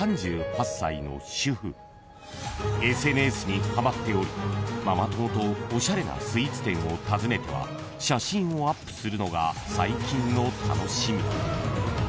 ［ＳＮＳにはまっておりママ友とおしゃれなスイーツ店を訪ねては写真をアップするのが最近の楽しみ］